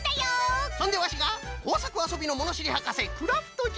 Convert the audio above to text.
そんでワシがこうさくあそびのものしりはかせクラフトじゃ。